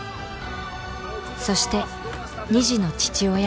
そして２児の父親